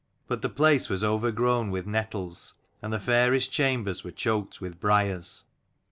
But the place was overgrown with nettles, and the fairest chambers were choked with briars.